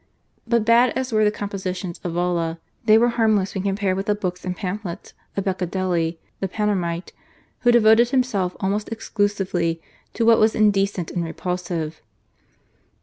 But bad as were the compositions of Valla, they were harmless when compared with the books and pamphlets of Beccadelli, the Panormite, who devoted himself almost exclusively to what was indecent and repulsive.